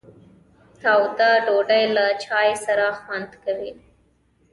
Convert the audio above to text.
تاوده ډوډۍ له چای سره خوند کوي.